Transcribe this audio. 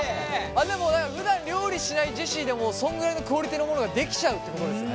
でもだからふだん料理しないジェシーでもそんぐらいのクオリティーのものができちゃうってことですね。